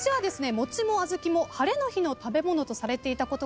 餅も小豆も晴れの日の食べ物とされていたことから。